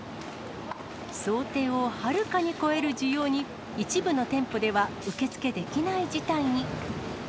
想定をはるかに超える需要に、一部の店舗では受け付けできない事態に。